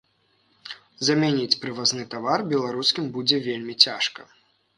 Замяніць прывазны тавар беларускім будзе вельмі цяжка.